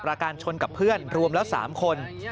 ราการชนกับเพื่อนรวมแล้ว๓คน